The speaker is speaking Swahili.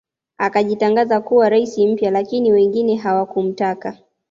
Akajitangaza kuwa rais mpya lakini wengine hawakumtaka